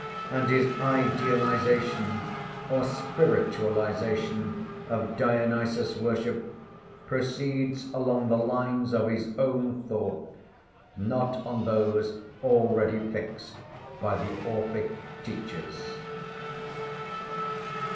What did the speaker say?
And his idealisation or spiritualisation of Dionysus worship proceeds along the lines of his own thought, not on those already fixed by the Orphic teachers.